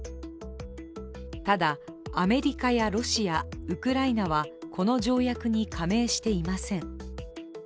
ただ、アメリカやロシア、ウクライナはこの条約に加盟していません。